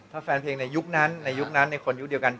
ถ้าแฟนเพลงในยุคนั้นในคนยุคเดียวกัน